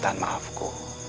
dan meminta maafku